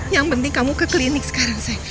yang penting kamu ke klinik sekarang saya